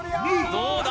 どうだ？